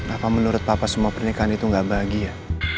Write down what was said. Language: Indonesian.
apa menurut papa semua pernikahan itu gak bahagia